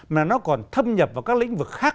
mà nó còn thâm nhập vào các lĩnh vực khác